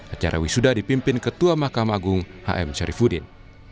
acara wisuda dipimpin ketua makam agung h m syarifudin